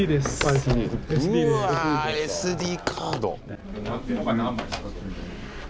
うわＳＤカード。